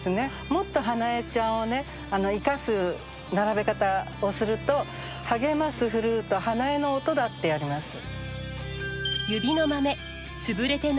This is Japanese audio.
もっと英恵ちゃんを生かす並べ方をすると「はげますフルートはなえの音だ」ってやります。